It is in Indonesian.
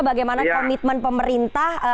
bagaimana komitmen pemerintah